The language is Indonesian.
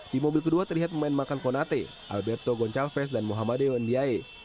di mobil kedua terlihat pemain makan konate alberto goncalves dan muhammadiyah ndiae